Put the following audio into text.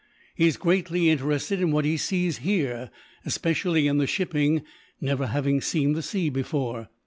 He is greatly interested in what he sees here, especially in the shipping, never having seen the sea before.